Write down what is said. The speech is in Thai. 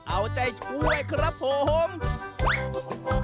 เอาใจช่วยครับโอ้โฮ